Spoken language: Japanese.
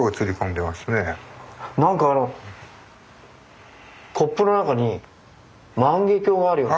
何かコップの中に万華鏡があるような。